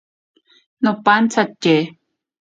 Nopantsatye.